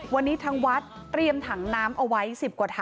วันนี้ทางวัดเตรียมถังน้ำเอาไว้๑๐กว่าถัง